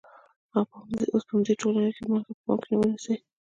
اوس په همدې ټولنه کې مالګه په پام کې ونیسئ.